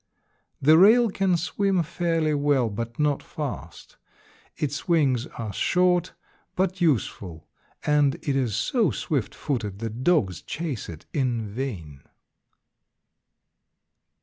The rail can swim fairly well, but not fast. Its wings are short, but useful, and it is so swift footed that dogs chase it in vain.